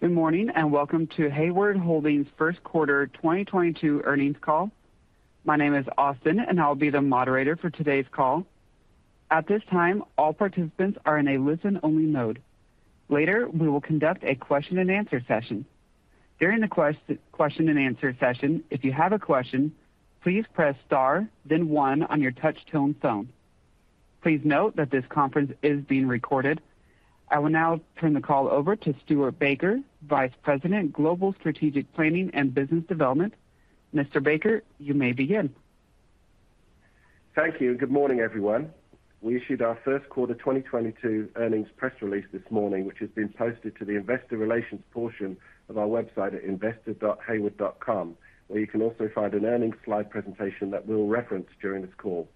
Good morning, and welcome to Hayward Holdings First Quarter 2022 earnings call. My name is Austin and I'll be the moderator for today's call. At this time, all participants are in a listen-only mode. Later, we will conduct a question-and-answer session. During the question-and-answer session, if you have a question, please press star, then one on your touchtone phone. Please note that this conference is being recorded. I will now turn the call over to Stuart Baker, Vice President, Global Strategic Planning and Business Development. Mr. Baker, you may begin. Thank you. Good morning, everyone. We issued our first quarter 2022 earnings press release this morning, which has been posted to the investor relations portion of our website at investor.hayward.com, where you can also find an earnings slide presentation that we'll reference during this call.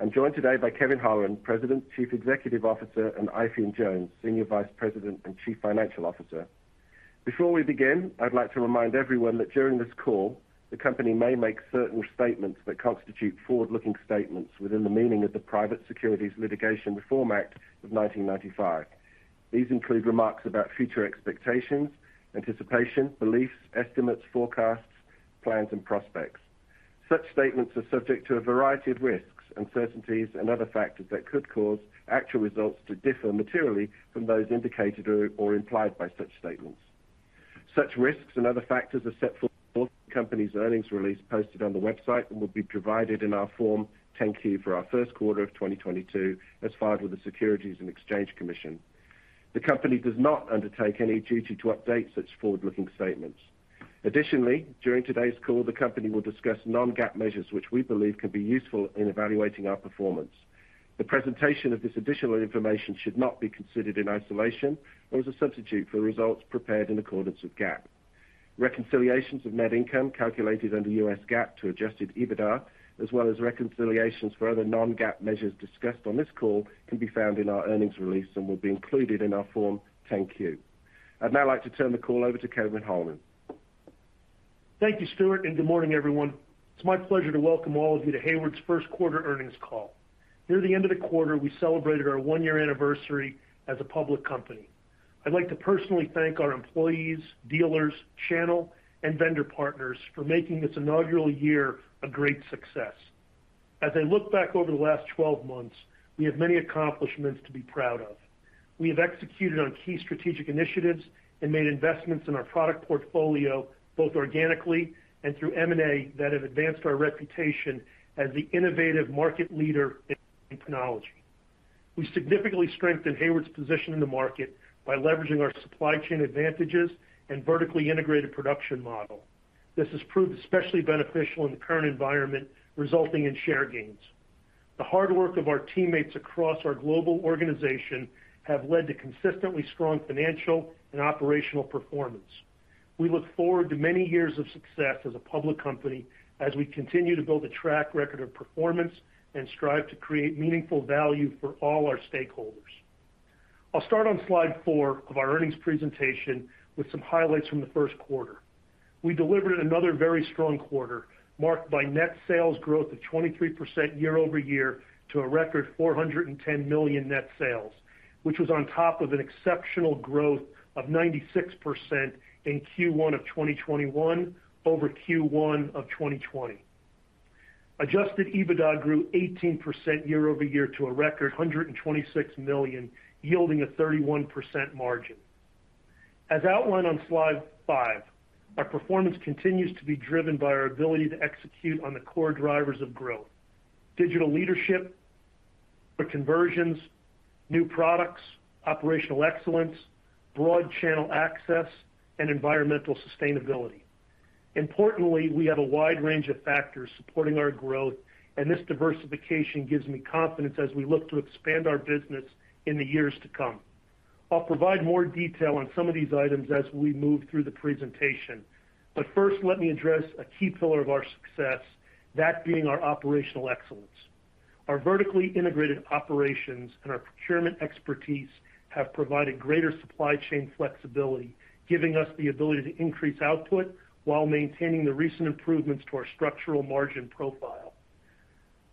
I'm joined today by Kevin Holleran, President and Chief Executive Officer, and Eifion Jones, Senior Vice President and Chief Financial Officer. Before we begin, I'd like to remind everyone that during this call, the company may make certain statements that constitute forward-looking statements within the meaning of the Private Securities Litigation Reform Act of 1995. These include remarks about future expectations, anticipation, beliefs, estimates, forecasts, plans, and prospects. Such statements are subject to a variety of risks, uncertainties, and other factors that could cause actual results to differ materially from those indicated or implied by such statements. Such risks and other factors are set forth in the company's earnings release posted on the website and will be provided in our Form 10-Q for our first quarter of 2022 as filed with the Securities and Exchange Commission. The company does not undertake any duty to update such forward-looking statements. Additionally, during today's call, the company will discuss non-GAAP measures, which we believe can be useful in evaluating our performance. The presentation of this additional information should not be considered in isolation or as a substitute for results prepared in accordance with GAAP. Reconciliations of net income calculated under U.S. GAAP to adjusted EBITDA, as well as reconciliations for other non-GAAP measures discussed on this call, can be found in our earnings release and will be included in our Form 10-Q. I'd now like to turn the call over to Kevin Holleran. Thank you, Stuart, and good morning, everyone. It's my pleasure to welcome all of you to Hayward's first quarter earnings call. Near the end of the quarter, we celebrated our 1-year anniversary as a public company. I'd like to personally thank our employees, dealers, channel, and vendor partners for making this inaugural year a great success. As I look back over the last 12 months, we have many accomplishments to be proud of. We have executed on key strategic initiatives and made investments in our product portfolio, both organically and through M&A that have advanced our reputation as the innovative market leader in technology. We significantly strengthened Hayward's position in the market by leveraging our supply chain advantages and vertically integrated production model. This has proved especially beneficial in the current environment, resulting in share gains. The hard work of our teammates across our global organization have led to consistently strong financial and operational performance. We look forward to many years of success as a public company as we continue to build a track record of performance and strive to create meaningful value for all our stakeholders. I'll start on slide four of our earnings presentation with some highlights from the first quarter. We delivered another very strong quarter marked by net sales growth of 23% year-over-year to a record $410 million net sales, which was on top of an exceptional growth of 96% in Q1 of 2021 over Q1 of 2020. Adjusted EBITDA grew 18% year-over-year to a record $126 million, yielding a 31% margin. As outlined on slide five, our performance continues to be driven by our ability to execute on the core drivers of growth, digital leadership, the conversions, new products, operational excellence, broad channel access, and environmental sustainability. Importantly, we have a wide range of factors supporting our growth, and this diversification gives me confidence as we look to expand our business in the years to come. I'll provide more detail on some of these items as we move through the presentation. First, let me address a key pillar of our success, that being our operational excellence. Our vertically integrated operations and our procurement expertise have provided greater supply chain flexibility, giving us the ability to increase output while maintaining the recent improvements to our structural margin profile.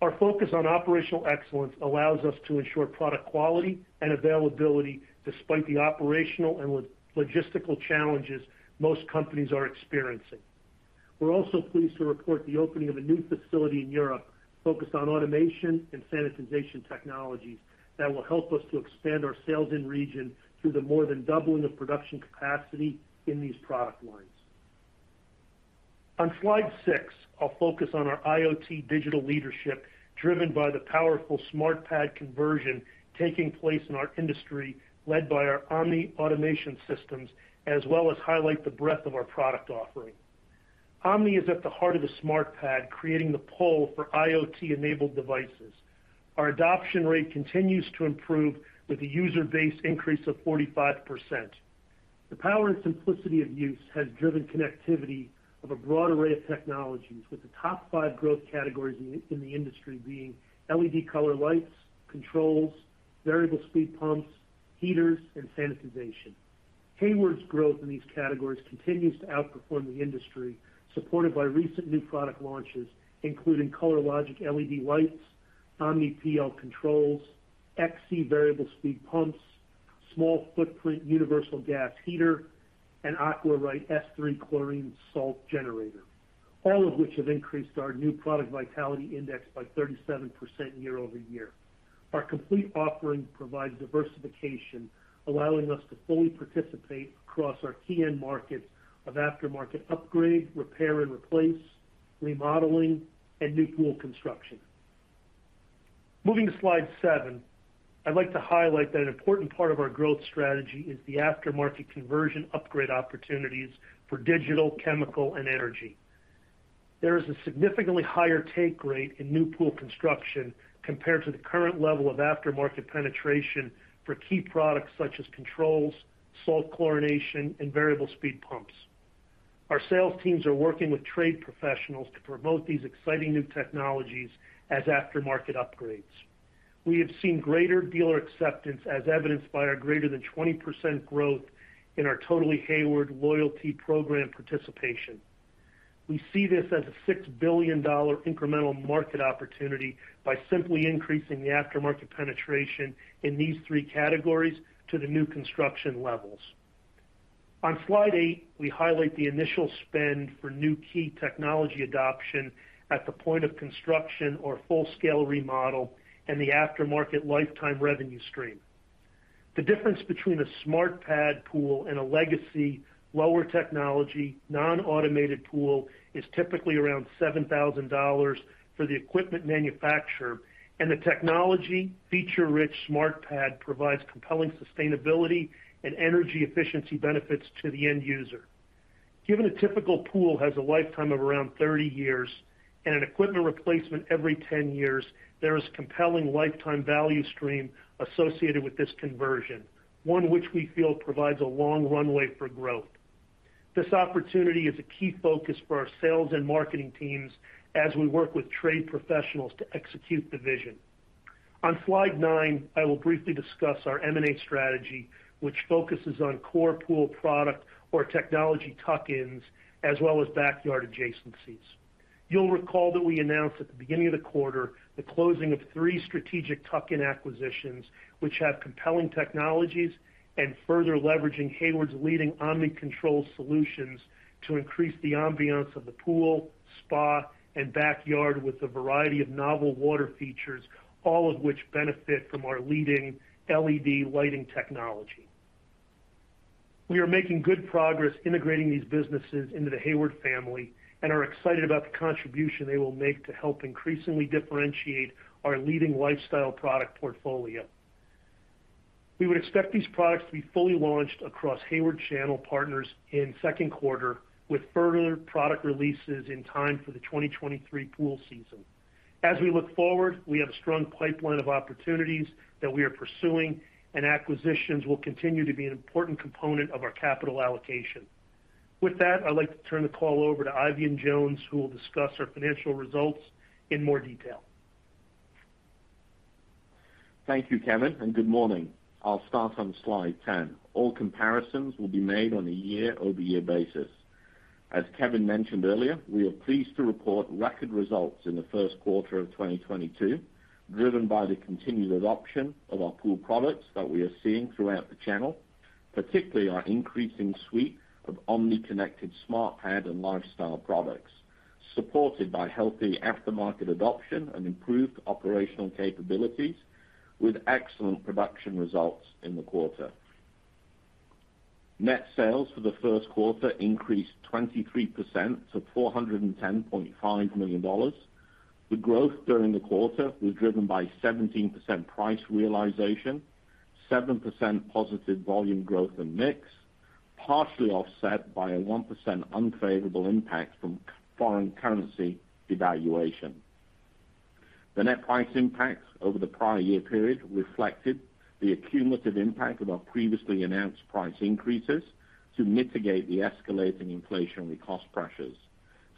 Our focus on operational excellence allows us to ensure product quality and availability despite the operational and logistical challenges most companies are experiencing. We're also pleased to report the opening of a new facility in Europe focused on automation and sanitization technologies that will help us to expand our sales in region through the more than doubling of production capacity in these product lines. On slide 6, I'll focus on our IoT digital leadership driven by the powerful SmartPad conversion taking place in our industry, led by our Omni automation systems, as well as highlight the breadth of our product offering. Omni is at the heart of the SmartPad, creating the pull for IoT-enabled devices. Our adoption rate continues to improve with a user base increase of 45%. The power and simplicity of use has driven connectivity of a broad array of technologies, with the top 5 growth categories in the industry being LED color lights, controls, variable speed pumps, heaters, and sanitization. Hayward's growth in these categories continues to outperform the industry, supported by recent new product launches, including ColorLogic LED lights, OmniPL controls, XE variable speed pumps, small footprint universal gas heater, and AquaRite S3 chlorine salt generator, all of which have increased our new product vitality index by 37% year-over-year. Our complete offering provides diversification, allowing us to fully participate across our key end markets of aftermarket upgrade, repair and replace, remodeling, and new pool construction. Moving to slide 7, I'd like to highlight that an important part of our growth strategy is the aftermarket conversion upgrade opportunities for digital, chemical, and energy. There is a significantly higher take rate in new pool construction compared to the current level of aftermarket penetration for key products such as controls, salt chlorination, and variable speed pumps. Our sales teams are working with trade professionals to promote these exciting new technologies as aftermarket upgrades. We have seen greater dealer acceptance as evidenced by our greater than 20% growth in our Totally Hayward loyalty program participation. We see this as a $6 billion incremental market opportunity by simply increasing the aftermarket penetration in these three categories to the new construction levels. On slide 8, we highlight the initial spend for new key technology adoption at the point of construction or full-scale remodel and the aftermarket lifetime revenue stream. The difference between a SmartPad pool and a legacy lower technology non-automated pool is typically around $7,000 for the equipment manufacturer, and the technology feature-rich SmartPad provides compelling sustainability and energy efficiency benefits to the end user. Given a typical pool has a lifetime of around 30 years and an equipment replacement every 10 years, there is compelling lifetime value stream associated with this conversion, one which we feel provides a long runway for growth. This opportunity is a key focus for our sales and marketing teams as we work with trade professionals to execute the vision. On slide 9, I will briefly discuss our M&A strategy, which focuses on core pool product or technology tuck-ins, as well as backyard adjacencies. You'll recall that we announced at the beginning of the quarter the closing of 3 strategic tuck-in acquisitions, which have compelling technologies and further leveraging Hayward's leading Omni control solutions to increase the ambiance of the pool, spa, and backyard with a variety of novel water features, all of which benefit from our leading LED lighting technology. We are making good progress integrating these businesses into the Hayward family and are excited about the contribution they will make to help increasingly differentiate our leading lifestyle product portfolio. We would expect these products to be fully launched across Hayward channel partners in second quarter, with further product releases in time for the 2023 pool season. We look forward, we have a strong pipeline of opportunities that we are pursuing, and acquisitions will continue to be an important component of our capital allocation. With that, I'd like to turn the call over to Eifion Jones, who will discuss our financial results in more detail. Thank you, Kevin, and good morning. I'll start on slide 10. All comparisons will be made on a year-over-year basis. As Kevin mentioned earlier, we are pleased to report record results in the first quarter of 2022, driven by the continued adoption of our pool products that we are seeing throughout the channel, particularly our increasing suite of omni-connected SmartPad and lifestyle products, supported by healthy aftermarket adoption and improved operational capabilities with excellent production results in the quarter. Net sales for the first quarter increased 23% to $410.5 million. The growth during the quarter was driven by 17% price realization, 7% positive volume growth and mix, partially offset by a 1% unfavorable impact from foreign currency devaluation. The net price impacts over the prior year period reflected the accumulative impact of our previously announced price increases to mitigate the escalating inflationary cost pressures.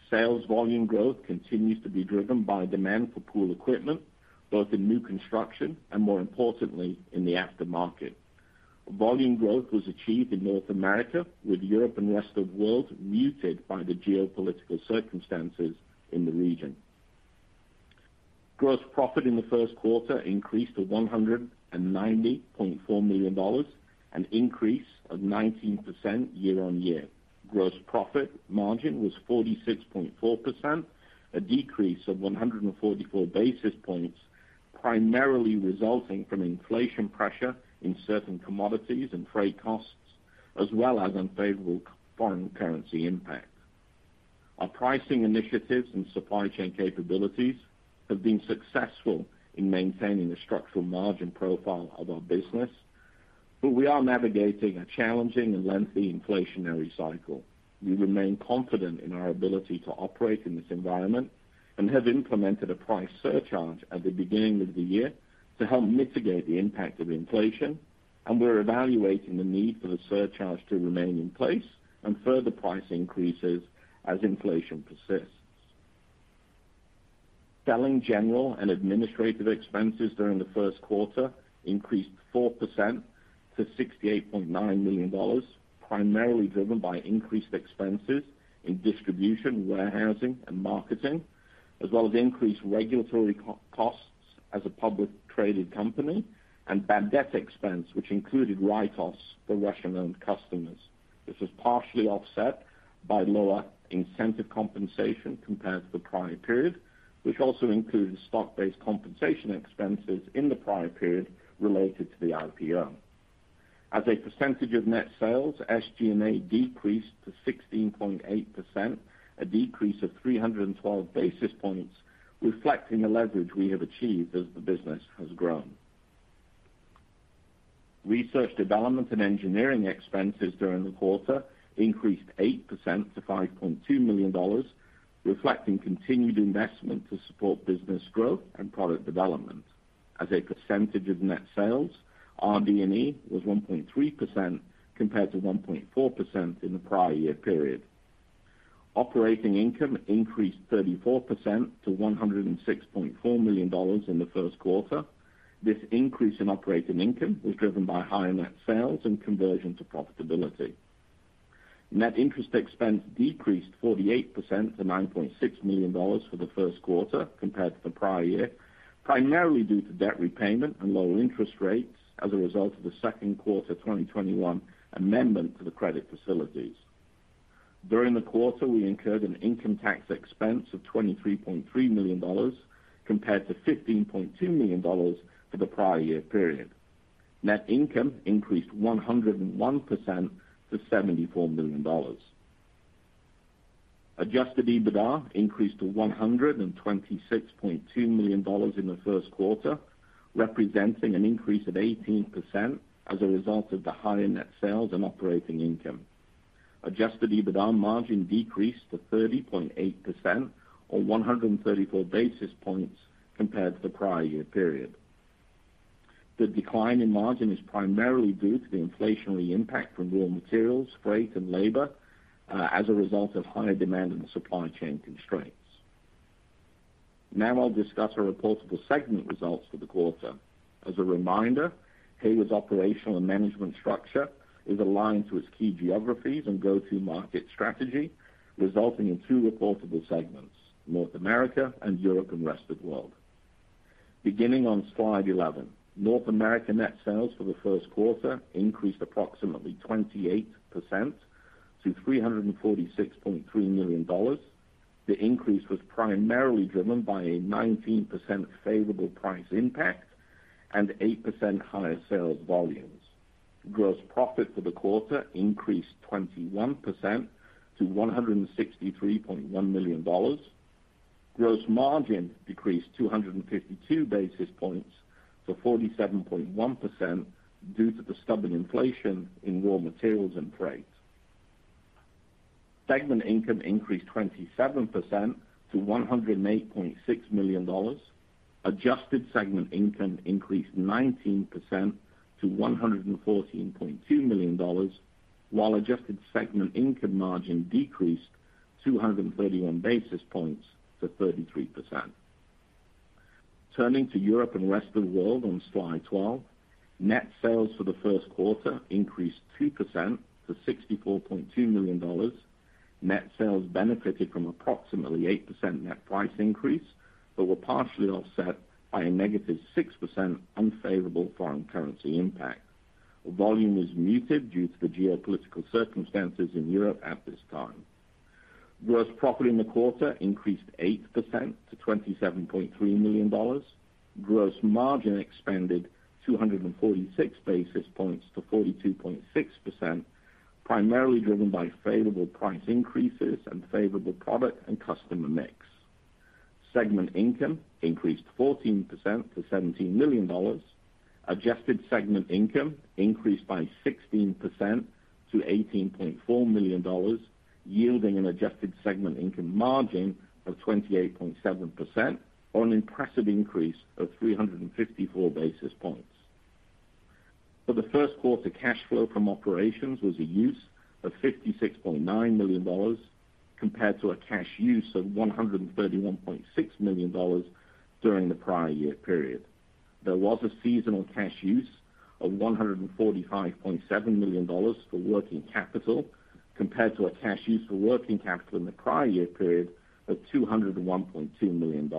Sales volume growth continues to be driven by demand for pool equipment, both in new construction and, more importantly, in the aftermarket. Volume growth was achieved in North America, with Europe and rest of world muted by the geopolitical circumstances in the region. Gross profit in the first quarter increased to $190.4 million, an increase of 19% year-over-year. Gross profit margin was 46.4%, a decrease of 144 basis points, primarily resulting from inflation pressure in certain commodities and freight costs, as well as unfavorable foreign currency impacts. Our pricing initiatives and supply chain capabilities have been successful in maintaining the structural margin profile of our business, but we are navigating a challenging and lengthy inflationary cycle. We remain confident in our ability to operate in this environment and have implemented a price surcharge at the beginning of the year to help mitigate the impact of inflation, and we're evaluating the need for the surcharge to remain in place and further price increases as inflation persists. Selling, general, and administrative expenses during the first quarter increased 4% to $68.9 million, primarily driven by increased expenses in distribution, warehousing, and marketing, as well as increased regulatory compliance costs as a publicly traded company and bad debt expense, which included write-offs for Russian-owned customers. This was partially offset by lower incentive compensation compared to the prior period, which also included stock-based compensation expenses in the prior period related to the IPO. As a percentage of net sales, SG&A decreased to 16.8%, a decrease of 312 basis points, reflecting the leverage we have achieved as the business has grown. Research, development, and engineering expenses during the quarter increased 8% to $5.2 million, reflecting continued investment to support business growth and product development. As a percentage of net sales, RD&E was 1.3% compared to 1.4% in the prior year period. Operating income increased 34% to $106.4 million in the first quarter. This increase in operating income was driven by higher net sales and conversion to profitability. Net interest expense decreased 48% to $9.6 million for the first quarter compared to the prior year, primarily due to debt repayment and lower interest rates as a result of the second quarter 2021 amendment to the credit facilities. During the quarter, we incurred an income tax expense of $23.3 million compared to $15.2 million for the prior year period. Net income increased 101% to $74 million. Adjusted EBITDA increased to $126.2 million in the first quarter, representing an increase of 18% as a result of the higher net sales and operating income. Adjusted EBITDA margin decreased to 30.8% or 134 basis points compared to the prior year period. The decline in margin is primarily due to the inflationary impact from raw materials, freight, and labor, as a result of higher demand and the supply chain constraints. Now I'll discuss our reportable segment results for the quarter. As a reminder, Hayward's operational and management structure is aligned to its key geographies and go-to-market strategy, resulting in two reportable segments, North America and Europe and Rest of World. Beginning on slide 11, North America net sales for the first quarter increased approximately 28% to $346.3 million. The increase was primarily driven by a 19% favorable price impact and 8% higher sales volumes. Gross profit for the quarter increased 21% to $163.1 million. Gross margin decreased 252 basis points to 47.1% due to the stubborn inflation in raw materials and freight. Segment income increased 27% to $108.6 million. Adjusted segment income increased 19% to $114.2 million, while adjusted segment income margin decreased 231 basis points to 33%. Turning to Europe and Rest of World on slide 12, net sales for the first quarter increased 2% to $64.2 million. Net sales benefited from approximately 8% net price increase, but were partially offset by a negative 6% unfavorable foreign currency impact. Volume is muted due to the geopolitical circumstances in Europe at this time. Gross profit in the quarter increased 8% to $27.3 million. Gross margin expanded 246 basis points to 42.6%, primarily driven by favorable price increases and favorable product and customer mix. Segment income increased 14% to $17 million. Adjusted segment income increased by 16% to $18.4 million, yielding an adjusted segment income margin of 28.7% on an impressive increase of 354 basis points. For the first quarter, cash flow from operations was a use of $56.9 million compared to a cash use of $131.6 million during the prior year period. There was a seasonal cash use of $145.7 million for working capital compared to a cash use for working capital in the prior year period of $201.2 million.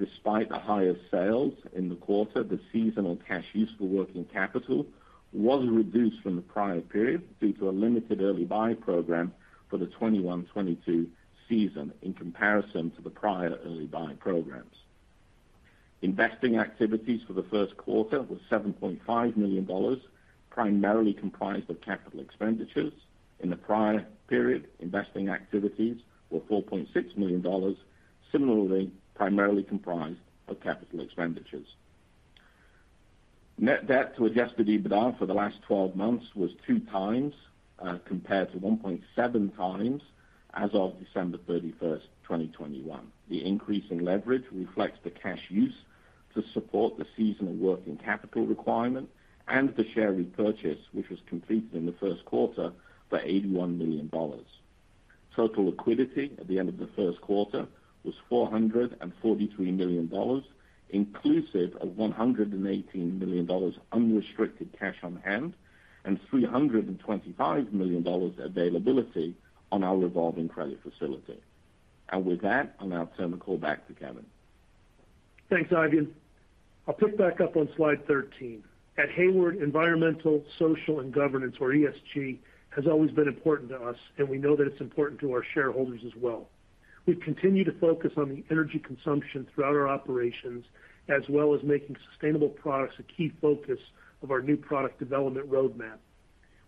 Despite the higher sales in the quarter, the seasonal cash use for working capital was reduced from the prior period due to a limited early buy program for the 2021-2022 season in comparison to the prior early buy programs. Investing activities for the first quarter was $7.5 million, primarily comprised of capital expenditures. In the prior period, investing activities were $4.6 million, similarly primarily comprised of capital expenditures. Net debt to adjusted EBITDA for the last twelve months was 2x compared to 1.7x as of December 31, 2021. The increase in leverage reflects the cash use to support the seasonal working capital requirement and the share repurchase, which was completed in the first quarter for $81 million. Total liquidity at the end of the first quarter was $443 million, inclusive of $118 million unrestricted cash on hand and $325 million availability on our revolving credit facility. With that, I'll now turn the call back to Kevin. Thanks, Eifion. I'll pick back up on slide 13. At Hayward, environmental, social, and governance, or ESG, has always been important to us, and we know that it's important to our shareholders as well. We continue to focus on the energy consumption throughout our operations, as well as making sustainable products a key focus of our new product development roadmap.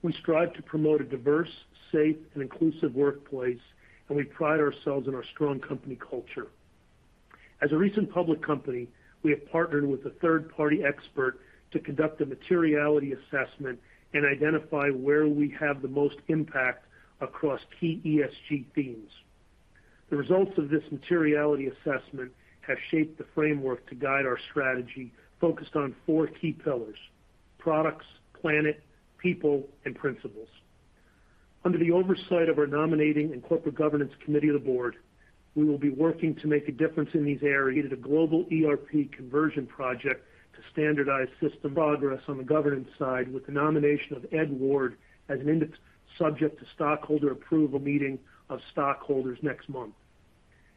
We strive to promote a diverse, safe, and inclusive workplace, and we pride ourselves in our strong company culture. As a recent public company, we have partnered with a third-party expert to conduct a materiality assessment and identify where we have the most impact across key ESG themes. The results of this materiality assessment have shaped the framework to guide our strategy focused on four key pillars, products, planet, people, and principles. Under the oversight of our Nominating and Corporate Governance Committee of the board, we will be working to make a difference in these areas. A global ERP conversion project to standardize system. Progress on the governance side with the nomination of Edward as an independent subject to stockholder approval meeting of stockholders next month.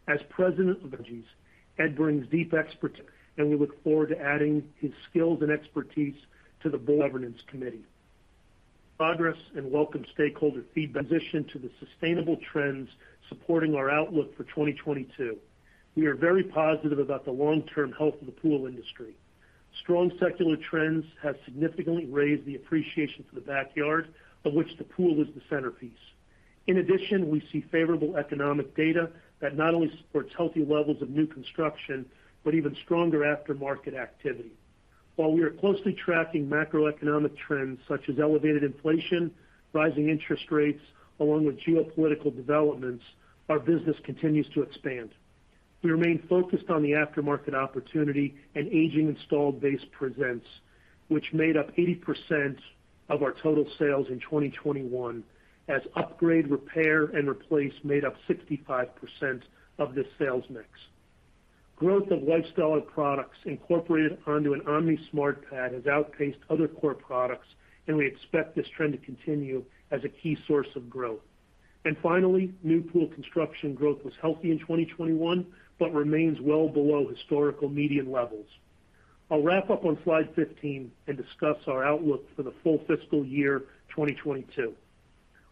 As President of Enerpac, Edward brings deep expertise, and we look forward to adding his skills and expertise to the board. Governance Committee. Progress and welcome stakeholder feedback. Transition to the sustainable trends supporting our outlook for 2022. We are very positive about the long-term health of the pool industry. Strong secular trends have significantly raised the appreciation for the backyard of which the pool is the centerpiece. In addition, we see favorable economic data that not only supports healthy levels of new construction, but even stronger aftermarket activity. While we are closely tracking macroeconomic trends such as elevated inflation, rising interest rates, along with geopolitical developments, our business continues to expand. We remain focused on the aftermarket opportunity an aging installed base presents, which made up 80% of our total sales in 2021 as upgrade, repair, and replace made up 65% of the sales mix. Growth of lifestyle products incorporated onto an Omni SmartPad has outpaced other core products, and we expect this trend to continue as a key source of growth. Finally, new pool construction growth was healthy in 2021, but remains well below historical median levels. I'll wrap up on slide 15 and discuss our outlook for the full fiscal year 2022.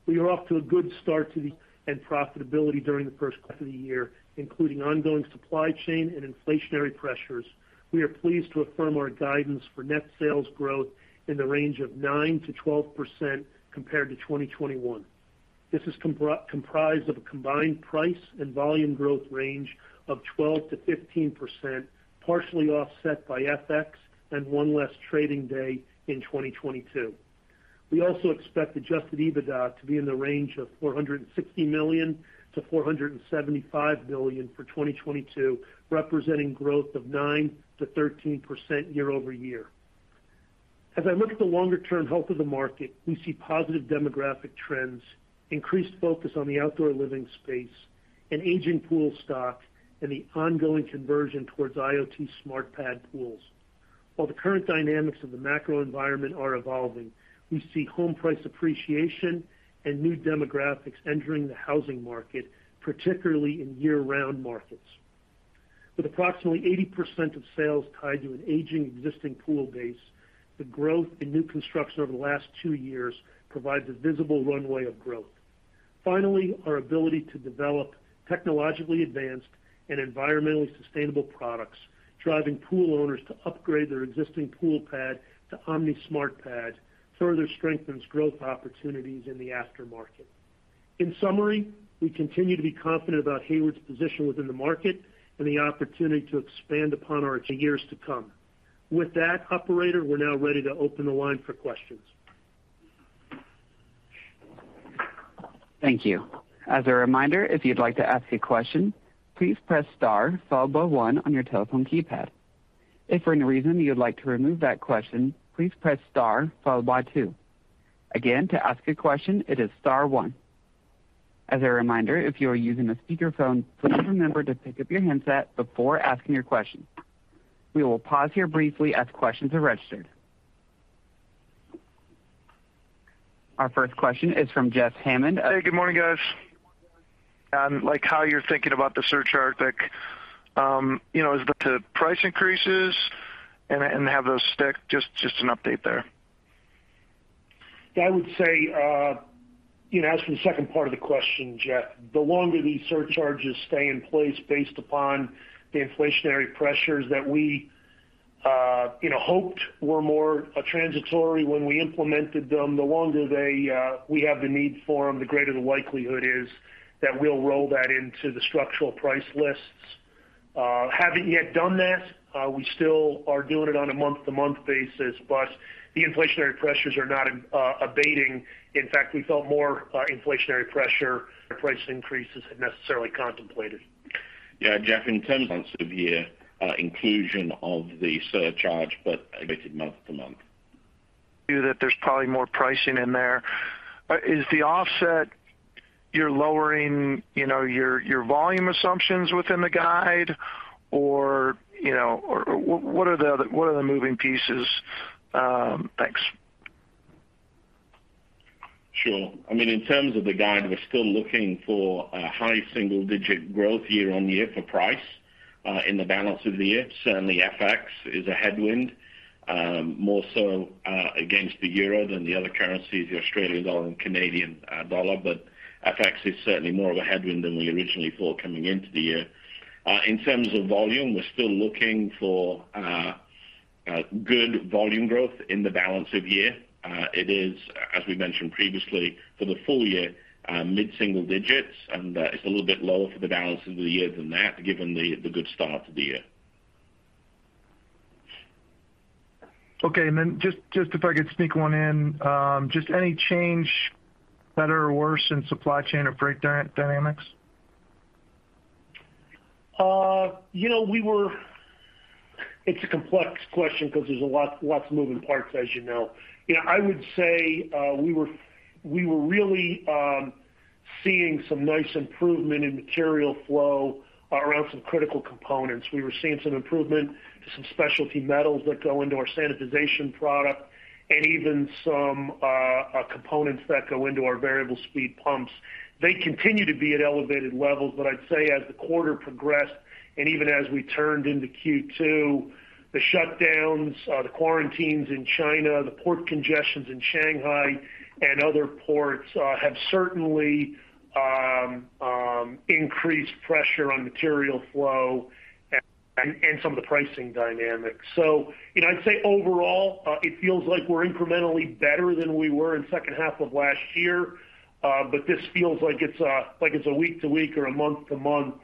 We are off to a good start and profitability during the first quarter of the year, including ongoing supply chain and inflationary pressures. We are pleased to affirm our guidance for net sales growth in the range of 9%-12% compared to 2021. This is comprised of a combined price and volume growth range of 12%-15%, partially offset by FX and 1 less trading day in 2022. We also expect adjusted EBITDA to be in the range of $460 million-$475 million for 2022, representing growth of 9%-13% year-over-year. As I look at the longer-term health of the market, we see positive demographic trends, increased focus on the outdoor living space, an aging pool stock, and the ongoing conversion towards IoT SmartPad pools. While the current dynamics of the macro environment are evolving, we see home price appreciation and new demographics entering the housing market, particularly in year-round markets. With approximately 80% of sales tied to an aging existing pool base, the growth in new construction over the last two years provides a visible runway of growth. Finally, our ability to develop technologically advanced and environmentally sustainable products, driving pool owners to upgrade their existing pool pad to Omni SmartPad, further strengthens growth opportunities in the aftermarket. In summary, we continue to be confident about Hayward's position within the market and the opportunity to expand upon our years to come. With that, operator, we're now ready to open the line for questions. Thank you. As a reminder, if you'd like to ask a question, please press star followed by one on your telephone keypad. If for any reason you would like to remove that question, please press star followed by two. Again, to ask a question, it is star one. As a reminder, if you are using a speakerphone, please remember to pick up your handset before asking your question. We will pause here briefly as questions are registered. Our first question is from Jeff Hammond. Hey, good morning, guys. Like how you're thinking about the surcharge that, you know, as the price increases and have those stick, just an update there. Yeah, I would say, you know, as for the second part of the question, Jeff, the longer these surcharges stay in place based upon the inflationary pressures that we, you know, hoped were more transitory when we implemented them, the longer we have the need for them, the greater the likelihood is that we'll roll that into the structural price lists. Haven't yet done that. We still are doing it on a month-to-month basis, but the inflationary pressures are not abating. In fact, we felt more inflationary pressure. Price increases had not necessarily been contemplated. Yeah, Jeff, in terms of your inclusion of the surcharge, but month to month. That there's probably more pricing in there. Is the offset you're lowering, you know, your volume assumptions within the guide? Or, you know, or what are the moving pieces? Thanks. Sure. I mean, in terms of the guide, we're still looking for a high single-digit % growth year-over-year for price in the balance of the year. Certainly, FX is a headwind, more so against the euro than the other currencies, the Australian dollar and Canadian dollar. FX is certainly more of a headwind than we originally thought coming into the year. In terms of volume, we're still looking for good volume growth in the balance of year. It is, as we mentioned previously, for the full year, mid-single digits %, and it's a little bit lower for the balance of the year than that, given the good start to the year. Okay. Just if I could sneak one in. Just any change, better or worse, in supply chain or freight dynamics? You know, it's a complex question 'cause there's a lot of moving parts, as you know. You know, I would say, we were really seeing some nice improvement in material flow around some critical components. We were seeing some improvement to some specialty metals that go into our sanitization product and even some components that go into our variable speed pumps. They continue to be at elevated levels, but I'd say as the quarter progressed and even as we turned into Q2, the shutdowns, the quarantines in China, the port congestions in Shanghai and other ports, have certainly increased pressure on material flow and some of the pricing dynamics. You know, I'd say overall, it feels like we're incrementally better than we were in second half of last year. This feels like it's a week-to-week or a month-to-month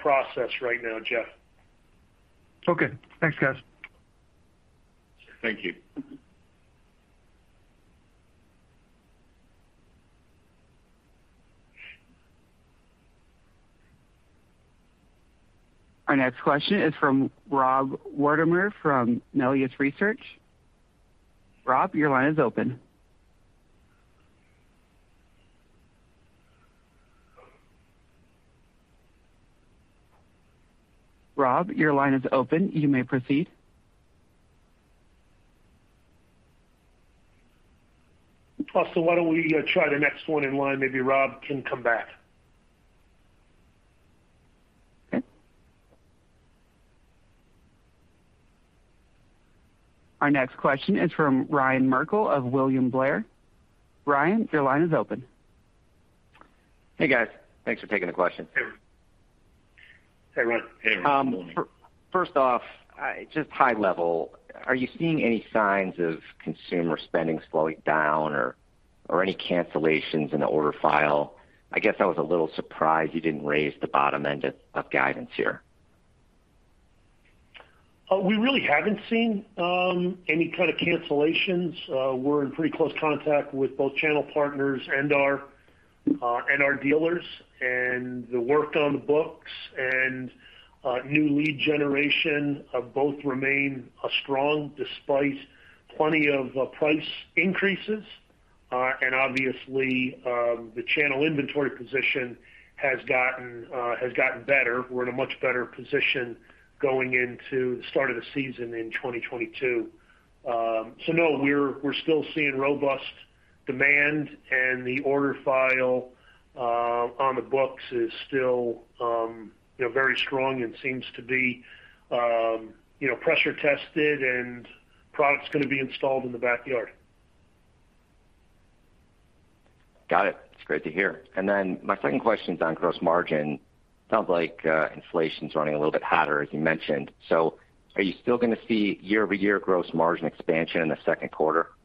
process right now, Jeff. Okay. Thanks, guys. Thank you. Our next question is from Rob Wertheimer from Melius Research. Rob, your line is open. You may proceed. Austin, why don't we try the next one in line? Maybe Rob can come back. Okay. Our next question is from Ryan Merkel of William Blair. Ryan, your line is open. Hey, guys. Thanks for taking the question. Hey, Ryan. Good morning. First off, just high level, are you seeing any signs of consumer spending slowing down or any cancellations in the order file? I guess I was a little surprised you didn't raise the bottom end of guidance here. We really haven't seen any kind of cancellations. We're in pretty close contact with both channel partners and our dealers. The work on the books and new lead generation both remain strong despite plenty of price increases. Obviously, the channel inventory position has gotten better. We're in a much better position going into the start of the season in 2022. No, we're still seeing robust demand, and the order file on the books is still, you know, very strong and seems to be, you know, pressure tested and products gonna be installed in the backyard. Got it. It's great to hear. Then my second question is on gross margin. Sounds like, inflation's running a little bit hotter, as you mentioned. Are you still gonna see year-over-year gross margin expansion in the second quarter? Yeah.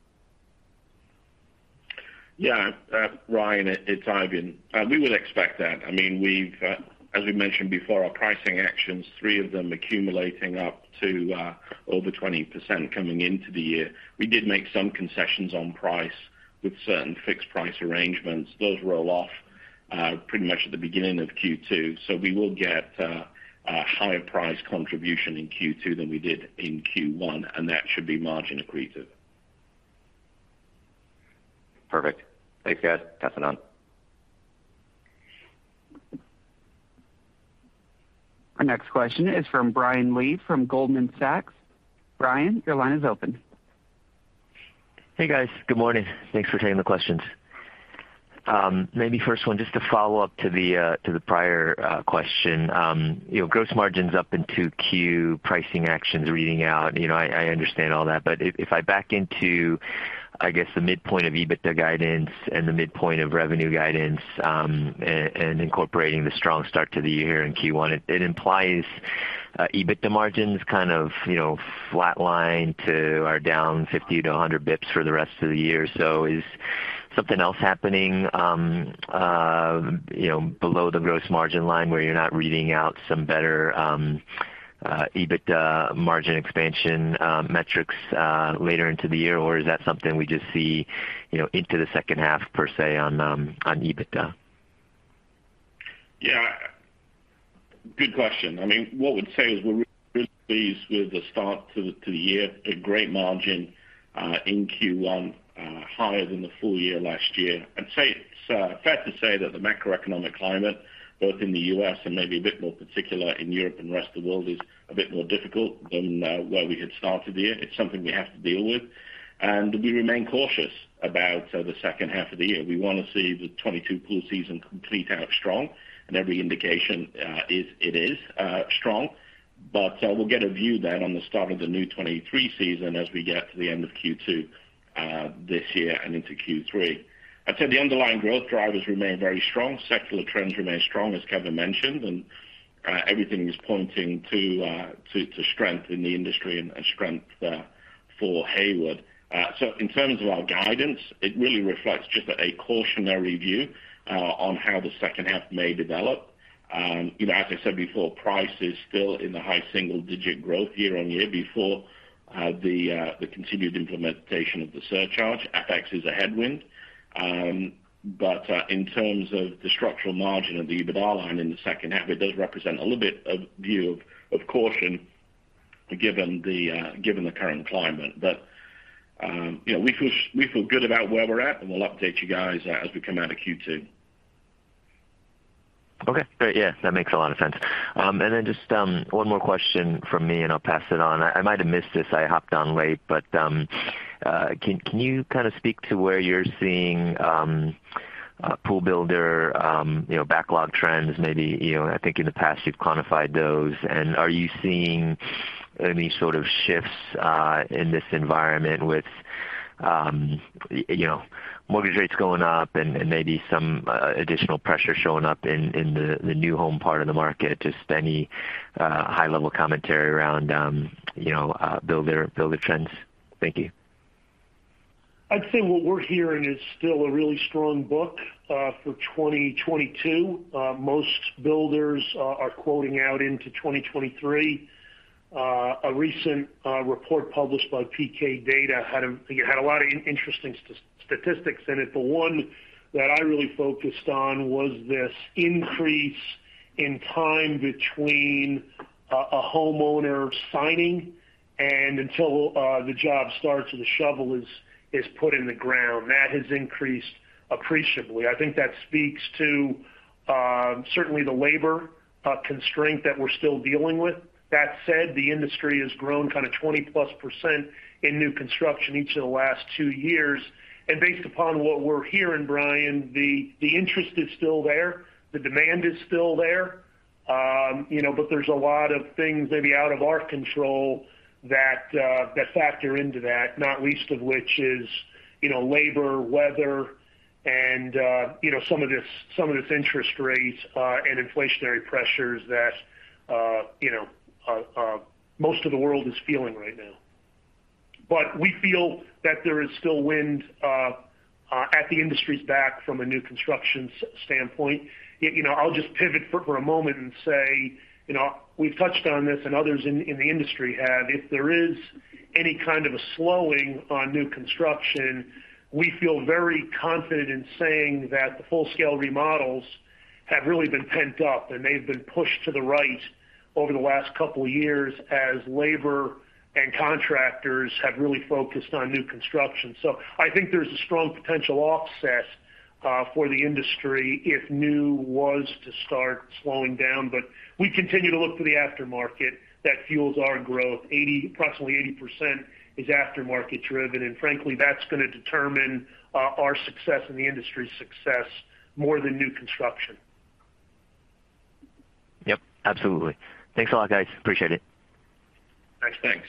Ryan, it's Eifion. We would expect that. I mean, we've, as we mentioned before, our pricing actions, three of them accumulating up to over 20% coming into the year. We did make some concessions on price with certain fixed price arrangements. Those roll off pretty much at the beginning of Q2. We will get a higher price contribution in Q2 than we did in Q1, and that should be margin accretive. Perfect. Thanks, guys. Passing on. Our next question is from Brian Lee from Goldman Sachs. Brian, your line is open. Hey, guys. Good morning. Thanks for taking the questions. Maybe first one, just to follow up to the prior question. You know, gross margins up in 2Q, pricing actions reading out, you know, I understand all that. But if I back into, I guess, the midpoint of EBITDA guidance and the midpoint of revenue guidance, and incorporating the strong start to the year in Q1, it implies EBITDA margins kind of, you know, flatline to or down 50-100 basis points for the rest of the year. Is something else happening, you know, below the gross margin line where you're not reading out some better EBITDA margin expansion metrics later into the year? Is that something we just see, you know, into the second half per se on EBITDA? Yeah. Good question. I mean, what we'd say is we're really pleased with the start to the year, a great margin in Q1, higher than the full year last year. I'd say it's fair to say that the macroeconomic climate, both in the U.S. and maybe a bit more particularly in Europe and rest of the world, is a bit more difficult than where we had started the year. It's something we have to deal with, and we remain cautious about the second half of the year. We wanna see the 2022 pool season complete out strong, and every indication is that it is strong. We'll get a view then on the start of the new 2023 season as we get to the end of Q2 this year and into Q3. I'd say the underlying growth drivers remain very strong. Secular trends remain strong, as Kevin mentioned, and everything is pointing to strength in the industry and strength for Hayward. In terms of our guidance, it really reflects just a cautionary view on how the second half may develop. You know, as I said before, price is still in the high single-digit growth year-on-year before the continued implementation of the surcharge. FX is a headwind. In terms of the structural margin of the EBITDA line in the second half, it does represent a little bit of view of caution given the current climate. You know, we feel good about where we're at, and we'll update you guys as we come out of Q2. Okay, great. Yeah, that makes a lot of sense. Just one more question from me, and I'll pass it on. I might have missed this. I hopped on late, but can you kind of speak to where you're seeing pool builder you know backlog trends maybe? You know, I think in the past you've quantified those, and are you seeing any sort of shifts in this environment with you know mortgage rates going up and maybe some additional pressure showing up in the new home part of the market? Just any high level commentary around you know builder trends? Thank you. I'd say what we're hearing is still a really strong book for 2022. Most builders are quoting out into 2023. A recent report published by P.K. Data had a lot of interesting statistics in it. The one that I really focused on was this increase in time between a homeowner signing and until the job starts or the shovel is put in the ground. That has increased appreciably. I think that speaks to certainly the labor constraint that we're still dealing with. That said, the industry has grown kind of 20%+ in new construction each of the last two years. Based upon what we're hearing, Brian, the interest is still there. The demand is still there. You know, there's a lot of things maybe out of our control that factor into that, not least of which is, you know, labor, weather and, you know, some of these interest rates, and inflationary pressures that, you know, most of the world is feeling right now. We feel that there is still wind at the industry's back from a new construction standpoint. You know, I'll just pivot for a moment and say, you know, we've touched on this and others in the industry have. If there is any kind of a slowing on new construction, we feel very confident in saying that the full-scale remodels have really been pent up, and they've been pushed to the right over the last couple years. I think there's a strong potential offset for the industry if new was to start slowing down. We continue to look to the aftermarket. That fuels our growth. Approximately 80% is aftermarket driven, and frankly, that's gonna determine our success and the industry's success more than new construction. Yep, absolutely. Thanks a lot, guys. Appreciate it. Thanks. Thanks.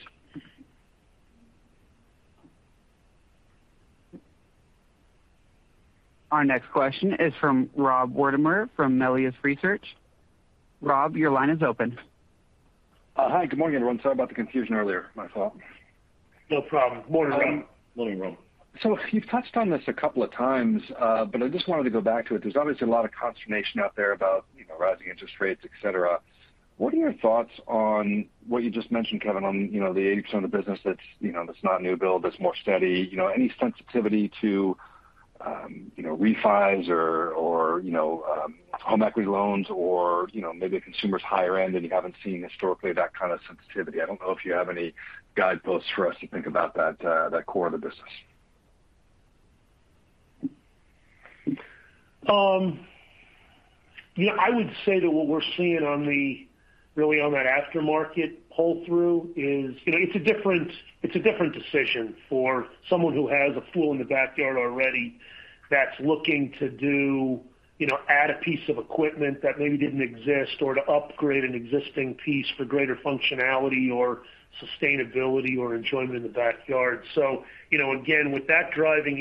Our next question is from Rob Wertheimer from Melius Research. Rob, your line is open. Hi. Good morning, everyone. Sorry about the confusion earlier. My fault. No problem. Morning, Rob. Morning, Rob. You've touched on this a couple of times, but I just wanted to go back to it. There's obviously a lot of consternation out there about, you know, rising interest rates, et cetera. What are your thoughts on what you just mentioned, Kevin, on, you know, the 80% of the business that's, you know, that's not new build, that's more steady? You know, any sensitivity to, you know, refis or home equity loans or, you know, maybe a consumer's higher end and you haven't seen historically that kind of sensitivity? I don't know if you have any guideposts for us to think about that core of the business. You know, I would say that what we're seeing on, really on that aftermarket pull-through is. You know, it's a different decision for someone who has a pool in the backyard already that's looking to do, you know, add a piece of equipment that maybe didn't exist or to upgrade an existing piece for greater functionality or sustainability or enjoyment in the backyard. You know, again, with that driving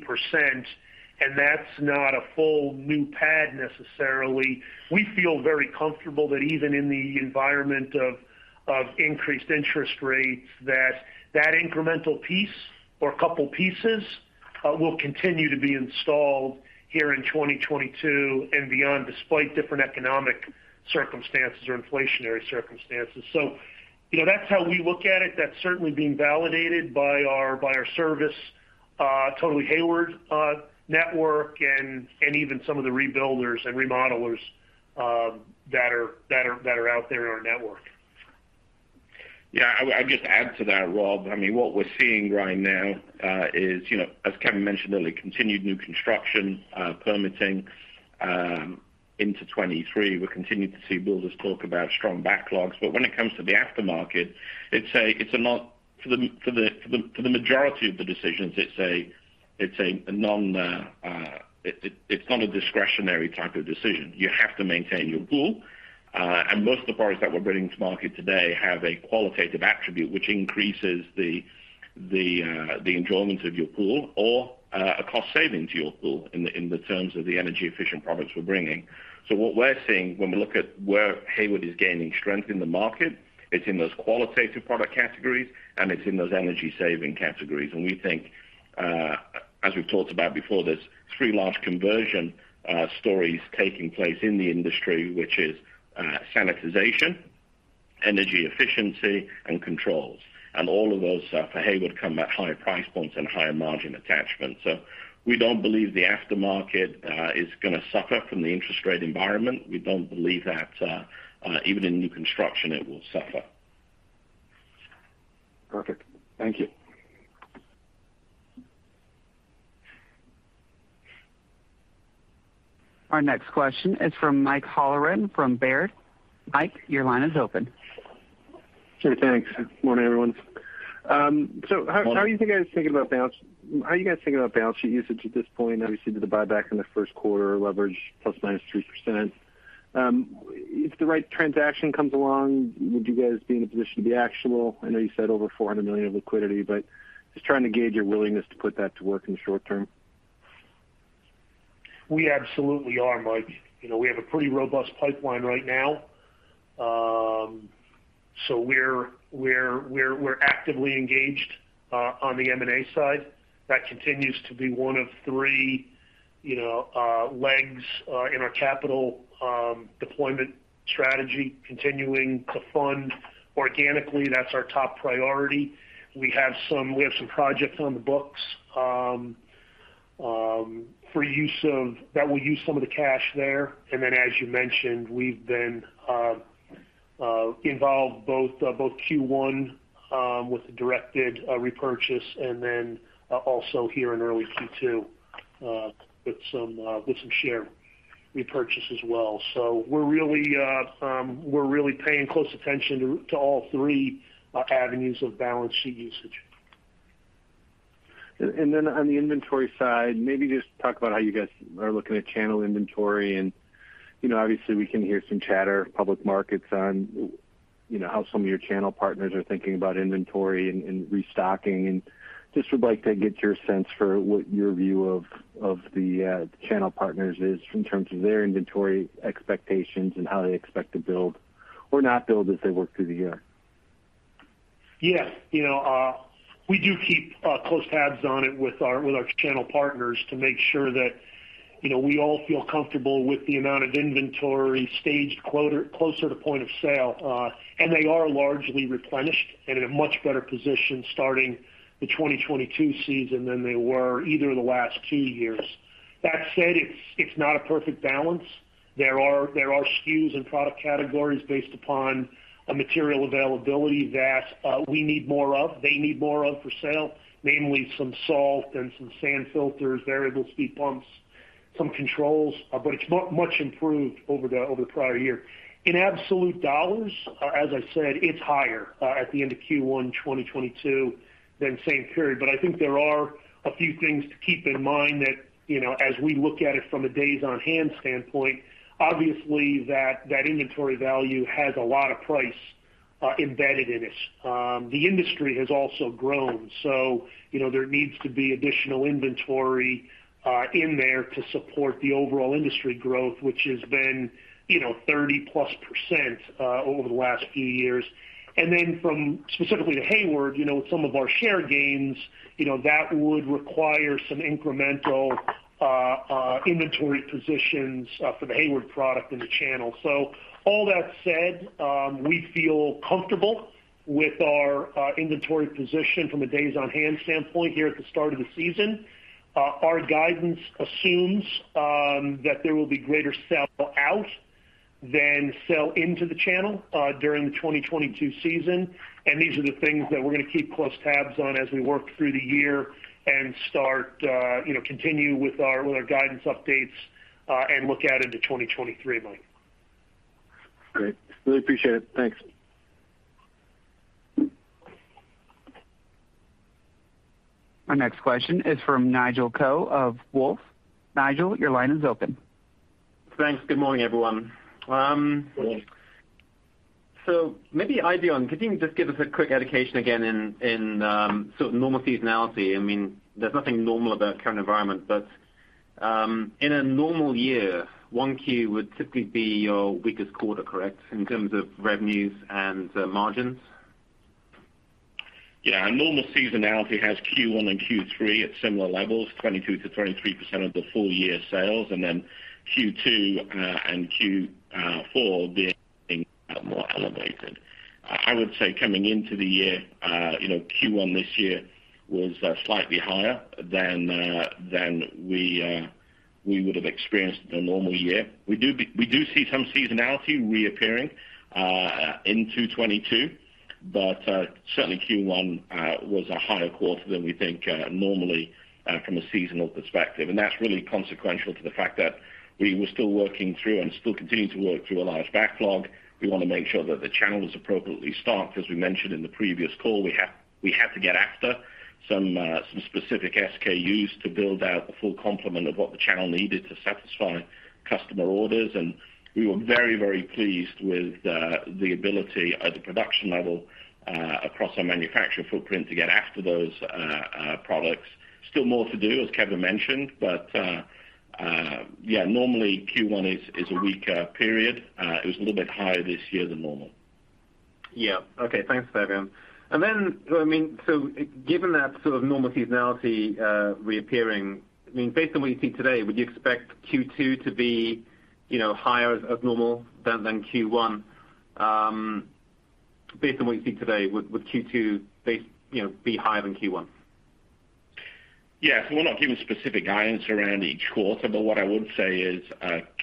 80%, and that's not a full new pad necessarily, we feel very comfortable that even in the environment of increased interest rates, that incremental piece or couple pieces will continue to be installed here in 2022 and beyond, despite different economic circumstances or inflationary circumstances. You know, that's how we look at it. That's certainly being validated by our service, Totally Hayward network and even some of the rebuilders and remodelers that are out there in our network. Yeah. I'd just add to that, Rob. I mean, what we're seeing right now is, you know, as Kevin mentioned earlier, continued new construction permitting into 2023. We're continuing to see builders talk about strong backlogs. When it comes to the aftermarket, it's not, for the majority of the decisions, a discretionary type of decision. You have to maintain your pool, and most of the products that we're bringing to market today have a qualitative attribute which increases the enjoyment of your pool or a cost saving to your pool in the terms of the energy efficient products we're bringing. What we're seeing when we look at where Hayward is gaining strength in the market, it's in those qualitative product categories, and it's in those energy saving categories. We think, as we've talked about before, there's three large conversion stories taking place in the industry, which is sanitization, energy efficiency, and controls. All of those, for Hayward come at higher price points and higher margin attachment. We don't believe the aftermarket is gonna suffer from the interest rate environment. We don't believe that, even in new construction it will suffer. Perfect. Thank you. Our next question is from Mike Halloran from Baird. Mike, your line is open. Sure. Thanks. Morning, everyone. How are you guys thinking about balance? How are you guys thinking about balance sheet usage at this point? Obviously, with the buyback in the first quarter, leverage ±3%. If the right transaction comes along, would you guys be in a position to act? I know you said over $400 million of liquidity, but just trying to gauge your willingness to put that to work in the short term. We absolutely are, Mike. You know, we have a pretty robust pipeline right now. We're actively engaged on the M&A side. That continues to be one of three, you know, legs in our capital deployment strategy. Continuing to fund organically, that's our top priority. We have some projects on the books that will use some of the cash there. As you mentioned, we've been involved both Q1 with the directed repurchase and then also here in early Q2 with some share repurchase as well. We're really paying close attention to all three avenues of balance sheet usage. Then on the inventory side, maybe just talk about how you guys are looking at channel inventory. You know, obviously we can hear some chatter of public markets on, you know, how some of your channel partners are thinking about inventory and restocking. Just would like to get your sense for what your view of the channel partners is in terms of their inventory expectations and how they expect to build or not build as they work through the year. Yeah. You know, we do keep close tabs on it with our channel partners to make sure that, you know, we all feel comfortable with the amount of inventory staged closer to point of sale. They are largely replenished and in a much better position starting the 2022 season than they were either of the last two years. That said, it's not a perfect balance. There are SKUs and product categories based upon a material availability that we need more of, they need more of for sale, namely some salt and some sand filters, variable speed pumps, some controls. But it's much improved over the prior year. In absolute dollars, as I said, it's higher at the end of Q1 2022 than same period. I think there are a few things to keep in mind that, you know, as we look at it from a days on hand standpoint, obviously that inventory value has a lot of price embedded in it. The industry has also grown, so, you know, there needs to be additional inventory in there to support the overall industry growth, which has been, you know, 30%+ over the last few years. From specifically to Hayward, you know, some of our share gains, you know, that would require some incremental inventory positions for the Hayward product in the channel. All that said, we feel comfortable with our inventory position from a days on hand standpoint here at the start of the season. Our guidance assumes that there will be greater sell out than sell into the channel during the 2022 season. These are the things that we're gonna keep close tabs on as we work through the year and start you know continue with our guidance updates and look out into 2023, Mike. Great. Really appreciate it. Thanks. Our next question is from Nigel Coe of Wolfe Research. Nigel, your line is open. Thanks. Good morning, everyone. Good morning. Maybe, Eifion, could you just give us a quick education again in sort of normal seasonality? I mean, there's nothing normal about current environment, but in a normal year, Q1 would typically be your weakest quarter, correct, in terms of revenues and margins? Yeah, our normal seasonality has Q1 and Q3 at similar levels, 22%-23% of the full year sales, and then Q2 and Q4 being a lot more elevated. I would say coming into the year, you know, Q1 this year was slightly higher than we would have experienced in a normal year. We do see some seasonality reappearing in 2022, but certainly Q1 was a higher quarter than we think normally from a seasonal perspective. That's really consequential to the fact that we were still working through and still continuing to work through a large backlog. We wanna make sure that the channel is appropriately staffed. As we mentioned in the previous call, we had to get after some specific SKUs to build out the full complement of what the channel needed to satisfy customer orders. We were very pleased with the ability at the production level across our manufacturer footprint to get after those products. Still more to do, as Kevin mentioned. Normally Q1 is a weaker period. It was a little bit higher this year than normal. Yeah. Okay. Thanks, Eifion. I mean, so given that sort of normal seasonality reappearing, I mean, based on what you see today, would you expect Q2 to be, you know, higher as normal than Q1? Based on what you see today, would Q2 you know, be higher than Q1? Yes. We're not giving specific guidance around each quarter, but what I would say is,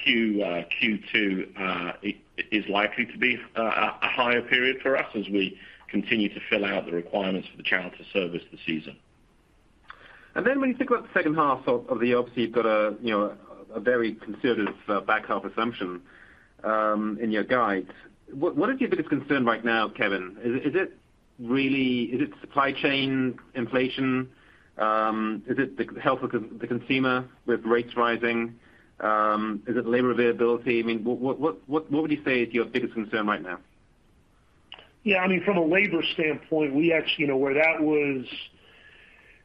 Q2 is likely to be a higher period for us as we continue to fill out the requirements for the channel to service the season. When you think about the second half of the year, obviously, you've got a very considered back half assumption in your guide. What is your biggest concern right now, Kevin? Is it really supply chain inflation? Is it the health of the consumer with rates rising? Is it labor availability? I mean, what would you say is your biggest concern right now? Yeah, I mean, from a labor standpoint, we actually, you know, where that was,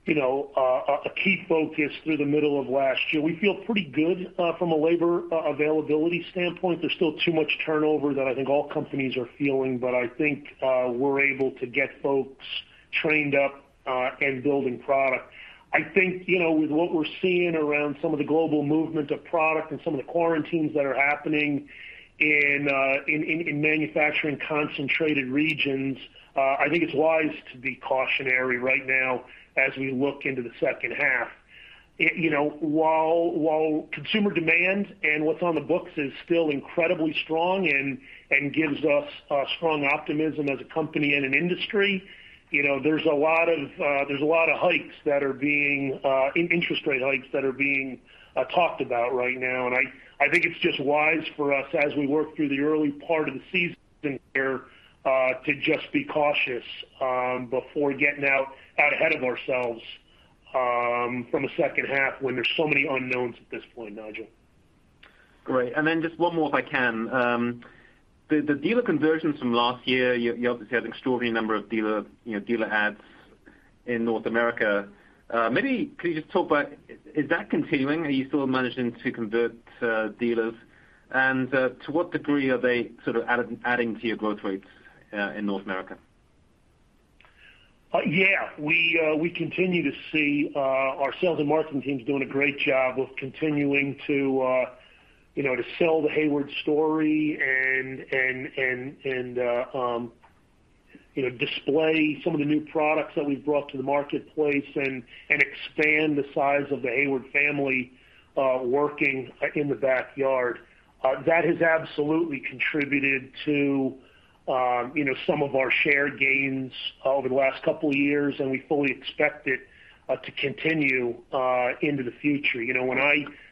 you know, a key focus through the middle of last year. We feel pretty good from a labor availability standpoint. There's still too much turnover that I think all companies are feeling, but I think we're able to get folks trained up and building product. I think, you know, with what we're seeing around some of the global movement of product and some of the quarantines that are happening in manufacturing concentrated regions, I think it's wise to be cautionary right now as we look into the second half. You know, while consumer demand and what's on the books is still incredibly strong and gives us strong optimism as a company and an industry, you know, there's a lot of interest rate hikes that are being talked about right now. I think it's just wise for us as we work through the early part of the season here to just be cautious before getting out ahead of ourselves from the second half when there's so many unknowns at this point, Nigel. Great. Just one more, if I can. The dealer conversions from last year, you obviously had an extraordinary number of dealer, you know, dealer adds in North America. Maybe could you just talk about is that continuing? Are you still managing to convert dealers? To what degree are they sort of adding to your growth rates in North America? Yeah. We continue to see our sales and marketing teams doing a great job of continuing to you know to sell the Hayward story and you know display some of the new products that we've brought to the marketplace and expand the size of the Hayward family working in the backyard. That has absolutely contributed to you know some of our share gains over the last couple of years, and we fully expect it to continue into the future. You know, when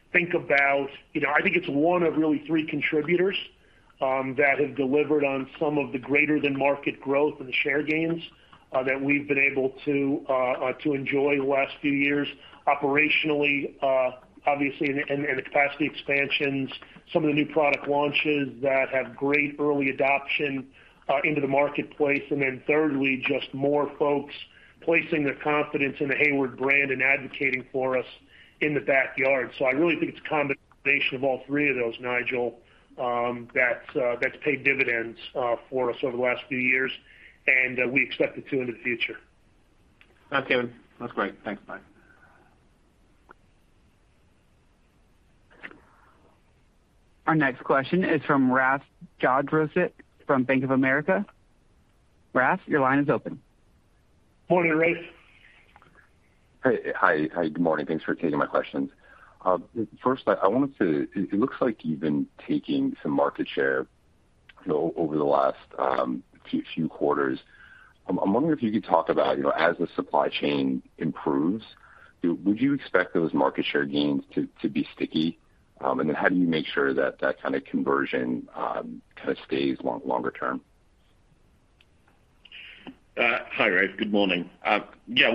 I think about You know, I think it's one of really three contributors that have delivered on some of the greater than market growth and share gains that we've been able to to enjoy the last few years operationally, obviously, in the capacity expansions, some of the new product launches that have great early adoption into the marketplace. Thirdly, just more folks placing their confidence in the Hayward brand and advocating for us in the backyard. I really think it's a combination of all three of those, Nigel, that's paid dividends for us over the last few years, and we expect it to in the future. Thanks, Kevin. That's great. Thanks. Bye. Our next question is from Rafe Jadrosich from Bank of America. Rafe, your line is open. Morning, Rafe. Hi. Good morning. Thanks for taking my questions. First, it looks like you've been taking some market share over the last few quarters. I'm wondering if you could talk about, you know, as the supply chain improves, would you expect those market share gains to be sticky? Then how do you make sure that kind of conversion kind of stays longer term? Hi, Rafe. Good morning. Yeah,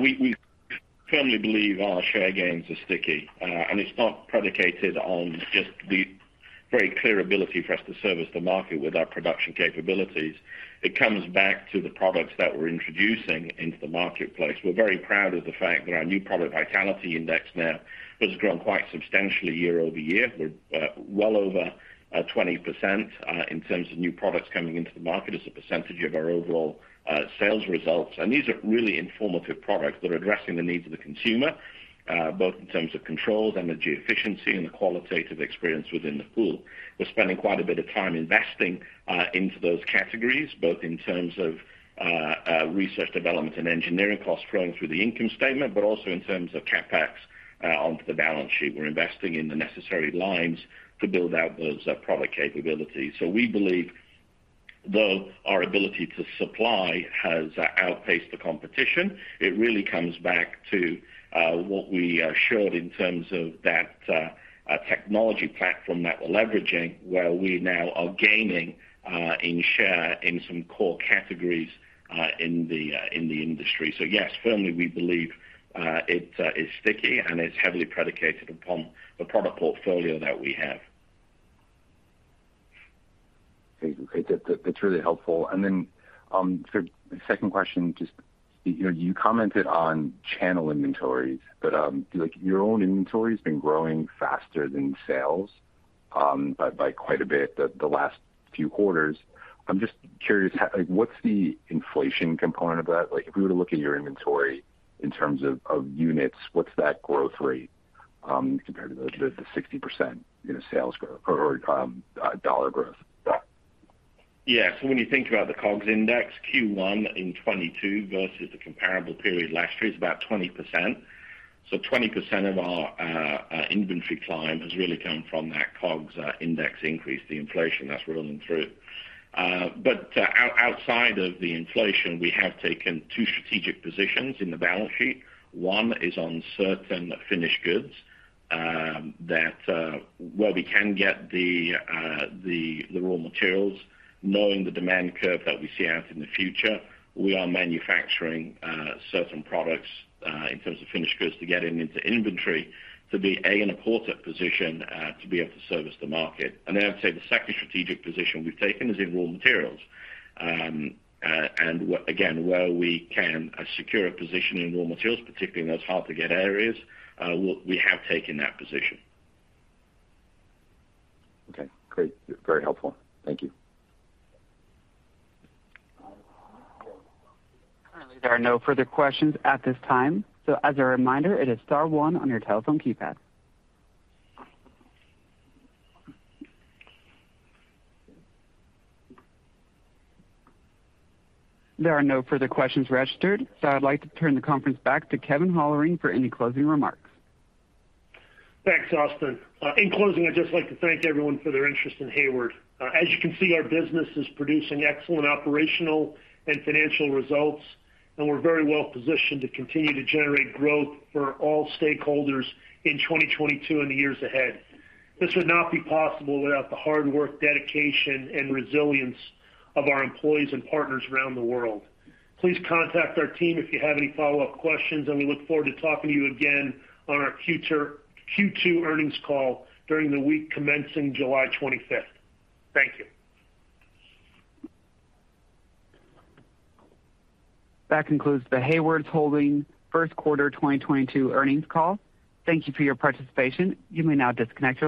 we firmly believe our share gains are sticky. It's not predicated on just the very clear ability for us to service the market with our production capabilities. It comes back to the products that we're introducing into the marketplace. We're very proud of the fact that our new product vitality index now has grown quite substantially year-over-year. We're well over 20% in terms of new products coming into the market as a percentage of our overall sales results. These are really innovative products that are addressing the needs of the consumer both in terms of controls, energy efficiency, and the qualitative experience within the pool. We're spending quite a bit of time investing into those categories, both in terms of research, development, and engineering costs flowing through the income statement, but also in terms of CapEx onto the balance sheet. We're investing in the necessary lines to build out those product capabilities. We believe though our ability to supply has outpaced the competition, it really comes back to what we showed in terms of that technology platform that we're leveraging, where we now are gaining in share in some core categories in the industry. Yes, firmly, we believe it is sticky, and it's heavily predicated upon the product portfolio that we have. Okay. That’s really helpful. The second question, just, you know, you commented on channel inventories, but like your own inventory has been growing faster than sales by quite a bit the last few quarters. I’m just curious, like, what’s the inflation component of that? Like, if we were to look at your inventory in terms of units, what’s that growth rate compared to the 60% in sales growth or dollar growth? Yeah. When you think about the COGS index, Q1 in 2022 versus the comparable period last year is about 20%. 20% of our inventory climb has really come from that COGS index increase, the inflation that's rolling through. Outside of the inflation, we have taken 2 strategic positions in the balance sheet. One is on certain finished goods that where we can get the raw materials, knowing the demand curve that we see out in the future, we are manufacturing certain products in terms of finished goods to get into inventory to be in a good position to be able to service the market. Then I'd say the second strategic position we've taken is in raw materials. Again, where we can secure a position in raw materials, particularly in those hard to get areas, we have taken that position. Okay, great. Very helpful. Thank you. Currently, there are no further questions at this time. As a reminder, it is star one on your telephone keypad. There are no further questions registered, so I'd like to turn the conference back to Kevin Holleran for any closing remarks. Thanks, Austin. In closing, I'd just like to thank everyone for their interest in Hayward. As you can see, our business is producing excellent operational and financial results, and we're very well positioned to continue to generate growth for all stakeholders in 2022 and the years ahead. This would not be possible without the hard work, dedication, and resilience of our employees and partners around the world. Please contact our team if you have any follow-up questions, and we look forward to talking to you again on our future Q2 earnings call during the week commencing July 25th. Thank you. That concludes the Hayward Holdings first quarter 2022 earnings call. Thank you for your participation. You may now disconnect your